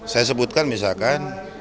saya sebutkan misalkan